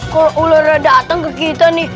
kalau ular datang ke kita nih